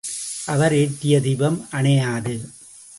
அவர் ஏற்றிய தீபம் அணையாது.